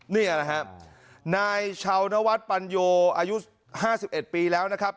นี่แหละครับนายชาวนวัฒน์ปัญโยอายุ๕๑ปีแล้วนะครับ